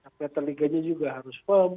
operator liganya juga harus firm